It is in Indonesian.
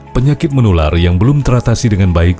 penyakit menular yang belum teratasi dengan baik